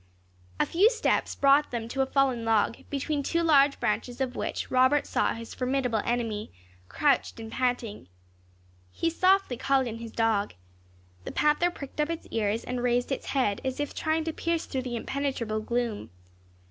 A few steps brought them to a fallen log, between two large branches of which Robert saw his formidable enemy, crouched and panting. He softly called in his dog. The panther pricked up its ears, and raised its head, as if trying to pierce through the impenetrable gloom.